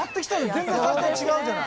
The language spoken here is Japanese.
全然最初と違うじゃない。